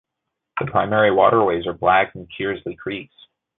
The primary waterways are Black and Kearsley creeks.